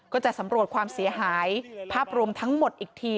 จะสำรวจความเสียหายภาพรวมทั้งหมดอีกที